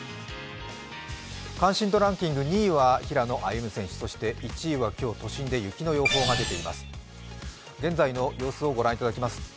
関心度ランキング、２位は平野歩夢選手、そして１位は今日、都心で雪の予報が出ています。